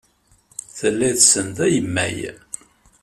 Telliḍ tessneḍ agemmay.